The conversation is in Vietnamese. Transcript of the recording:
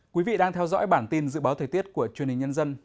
quý vị đang theo dõi bản tin dự báo thời tiết của truyền hình nhân dân